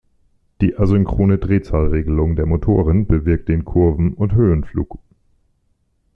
Die asynchrone Drehzahlregelung der Motoren bewirkt den Kurven- und Höhenflug.